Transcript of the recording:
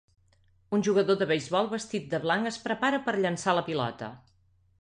Un jugador de beisbol vestit de blanc es prepara per a llançar la pilota.